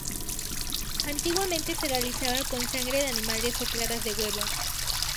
Antiguamente se realizaba con sangre de animales o claras de huevo.